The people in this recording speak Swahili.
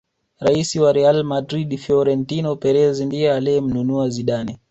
rais wa real madrid Frorentino Perez ndiye aliyemnunua Zidane